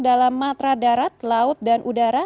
dalam matra darat laut dan udara